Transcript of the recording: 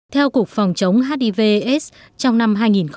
theo cục phòng chống hiv aids trong năm hai nghìn một mươi bảy